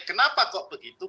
kenapa kok begitu